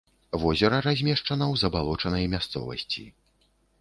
Возера размешчана ў забалочанай мясцовасці.